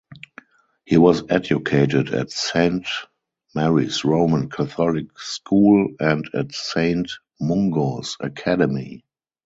He was educated at Saint Mary's Roman Catholic School and at Saint Mungo's Academy.